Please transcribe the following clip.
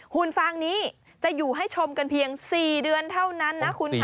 หุ่นฟางนี้จะอยู่ให้ชมกันเพียง๔เดือนเท่านั้นนะคุณค่ะ